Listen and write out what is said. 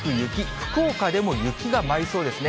福岡でも雪が舞いそうですね。